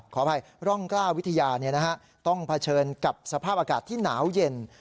ขออภัยร่องกล้าวิทยาต้องเผชิญกับสภาพอากาศที่หนาวเย็น